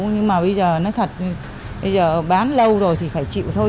nhưng mà bây giờ nói thật bây giờ bán lâu rồi thì phải chịu thôi